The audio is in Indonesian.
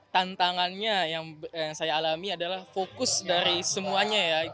tantangannya yang saya alami adalah fokus dari semuanya ya